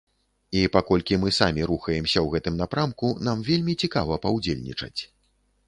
І паколькі мы самі рухаемся ў гэтым напрамку, нам вельмі цікава паўдзельнічаць.